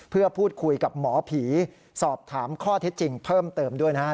เพื่อพูดคุยกับหมอผีสอบถามข้อเท็จจริงเพิ่มเติมด้วยนะครับ